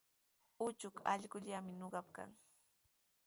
Uchuk allqullami ñuqapaqa kan.